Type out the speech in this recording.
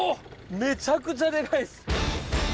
めちゃくちゃでかいっす！